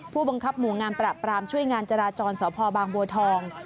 ผู้บังคับหมู่งานประปรามช่วยงานจราจรสพบางบัวทอง